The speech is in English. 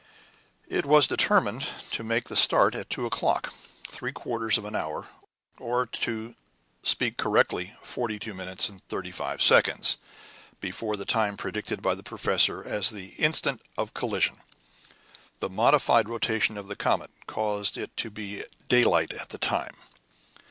It was determined to make the start at two o'clock, three quarters of an hour, or, to speak correctly 42 minutes 35.6 seconds, before the time predicted by the professor as the instant of collision. The modified rotation of the comet caused it to be daylight at the time.